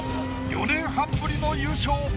４年半ぶりの優勝か？